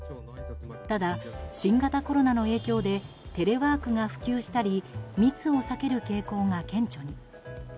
ただ、新型コロナの影響でテレワークが普及したり密を避ける傾向が顕著に。